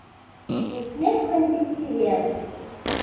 Nessen akk anida tettidireḍ.